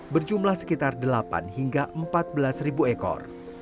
berjumlah sekitar delapan hingga empat belas ribu ekor